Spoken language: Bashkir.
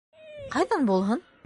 Ҡайҙан булһын?